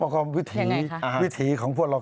คือวิธีของพวกเรา